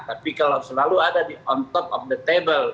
tapi kalau selalu ada di on top of the table